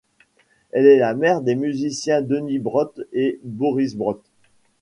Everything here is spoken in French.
Elle est la mère des musiciens Denis Brott et Boris Brott.